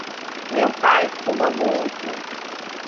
Meu pai fuma muito.